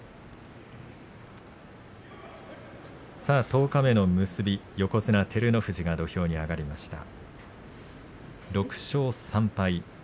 十日目の結び、横綱照ノ富士が土俵に上がりました。